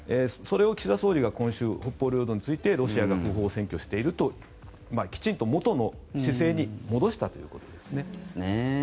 それを岸田総理が今週北方領土についてロシアが不法占拠しているときちんと元の姿勢に戻したということですね。